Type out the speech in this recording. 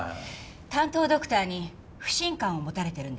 担当ドクターに不信感を持たれてるんです。